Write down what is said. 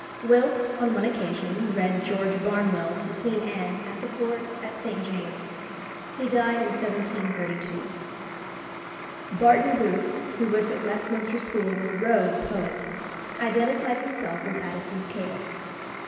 Wilkes on one occasion read "George Barnwell" to Queen Anne at the Court at St. James's. He died in 1732. Barton Booth, who was at Westminster School with Rowe the poet, identified himself with Addison's Cato.